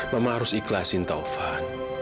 mama harus ikhlasin taufan